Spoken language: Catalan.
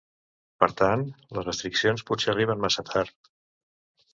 Per tant, les restriccions potser arriben massa tard.